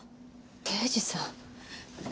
刑事さん。